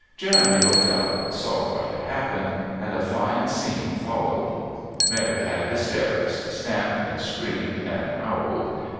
Jeremy looked up, saw what had happened, and a fine scene followed. Mary had hysterics, stamped and screamed and howled.